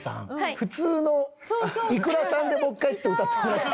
普通のｉｋｕｒａさんでもう一回ちょっと歌ってもらって。